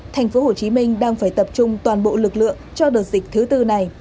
thành phố hồ chí minh đang phải tập trung toàn bộ lực lượng cho đợt dịch thứ tư này